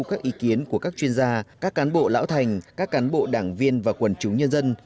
các ý kiến của các chuyên gia các cán bộ lão thành các cán bộ đảng viên và quần chúng nhân dân